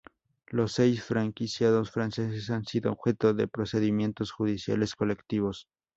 Los seis franquiciados franceses han sido objeto de procedimientos judiciales colectivos.